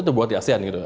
terbuat di asean gitu